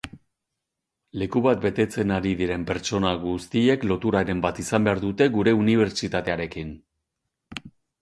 Leku bat betetzen ari diren pertsona guztiek loturaren bat izan behar dute gure unibertsitatearekin.